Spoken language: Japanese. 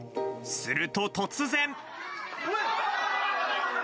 すると突然。